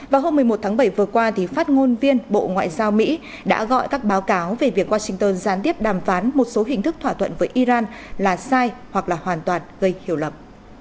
vào hôm một mươi một tháng bảy vừa qua phát ngôn viên bộ ngoại giao mỹ đã gọi các báo cáo về việc washington gián tiếp đàm phán một số hình thức thỏa thuận với iran là sai hoặc là hoàn toàn gây hiểu lầm